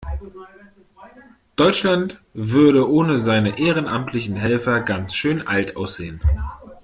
Deutschland würde ohne seine ehrenamtlichen Helfer ganz schön alt aussehen.